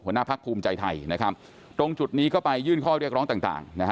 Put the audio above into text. หัวหน้าภักษ์ภูมิใจไทยตรงจุดนี้ก็ไปยื่นข้อเรียกร้องต่าง